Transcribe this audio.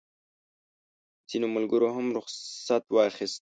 ځینو ملګرو هم رخصت واخیست.